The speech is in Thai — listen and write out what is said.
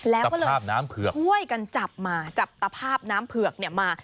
แล้วก็เลยพ่วยกันจับมาจับตะภาพน้ำเผือกมา